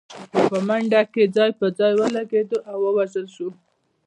خو په منډه کې ځای پر ځای ولګېد او ووژل شو.